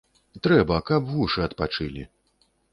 Трэба, каб вушы адпачылі!